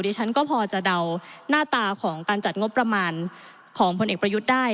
ฉันก็พอจะเดาหน้าตาของการจัดงบประมาณของผลเอกประยุทธ์ได้